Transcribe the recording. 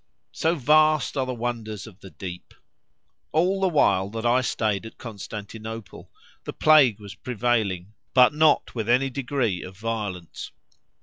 So vast are the wonders of the deep! All the while that I stayed at Constantinople the plague was prevailing, but not with any degree of violence.